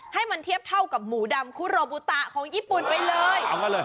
ให้มันเทียบเท่ากับหมูดำคุโรบุตะของญี่ปุ่นไปเลยเอางั้นเลย